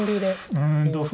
うん同歩